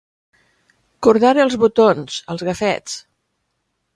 Cordar els botons, els gafets.